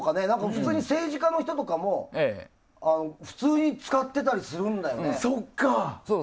普通に政治家の人とかも使ってたりするんだよね。